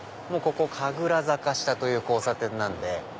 もうここ神楽坂下という交差点なんで。